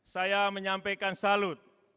saya menyampaikan salut